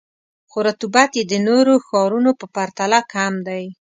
خو رطوبت یې د نورو ښارونو په پرتله کم دی.